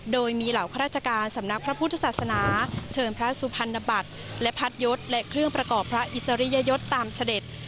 โดยมีเหล่าข้าราชการสำนักพระพุทธศาสนาเชิญพระสุพรรณบัตรและพัดยศและเครื่องประกอบพระอิสริยยศตามเสด็จ